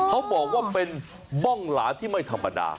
เขาบอกว่าเป็นบ้องหลาที่ไม่ธรรมดา